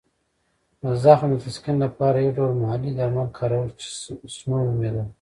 د زخم د تسکین لپاره یې یو ډول محلي درمل کارول چې سنو نومېدل.